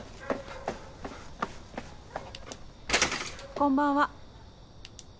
こんばんは。